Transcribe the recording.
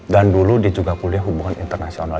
dan dulu dia juga kuliah hubungan internasional